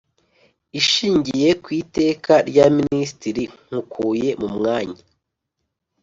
Ishingiye ku Iteka rya Ministiri nkukuye mumwanya